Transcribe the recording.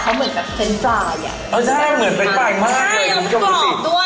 เขาเหมือนแบบเฟรนด์ไฟอ่ะอ๋อใช่เหมือนเฟรนด์ไฟมากเลยใช่มันสกรอบด้วย